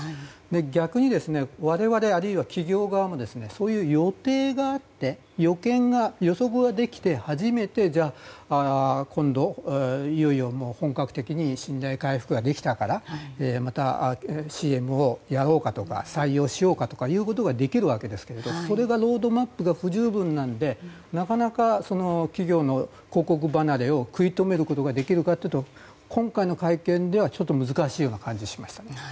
逆に我々あるいは企業側もそういう予定があって予測ができて初めてじゃあ今度、いよいよ本格的に信頼回復ができたからまたＣＭをやろうかとか採用しようかということができるわけですがそれが、ロードマップが不十分なのでなかなか企業の広告離れを食い止めることができるかというと今回の会見では難しい感じがしました。